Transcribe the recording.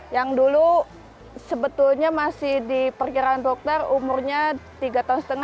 yang dulu sebetulnya masih diperkirakan dokter umurnya tiga lima tahun